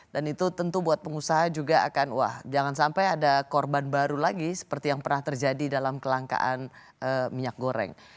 dan itu tentu buat pengusaha juga akan wah jangan sampai ada korban baru lagi seperti yang pernah terjadi dalam kelangkaan minyak goreng